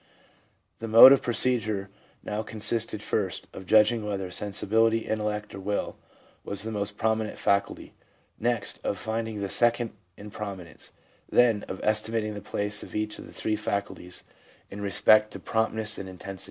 4 The mode of procedure now consisted, first, of judging whether sensibility, intellect or will was the most prominent faculty ; next, of finding the second in prominence ; then of estimating the place of each of the three faculties in respect to promptness and intensity.